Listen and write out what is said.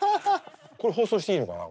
これ放送していいのかな？